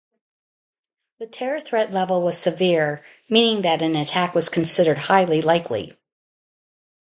The terror threat level was "Severe" meaning that an attack was considered highly likely.